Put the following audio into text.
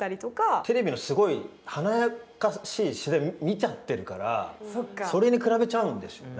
テレビのすごい華やかしい時代を見ちゃってるからそれに比べちゃうんでしょうね。